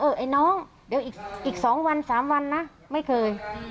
ไอ้น้องเดี๋ยวอีก๒วัน๓วันนะไม่เคย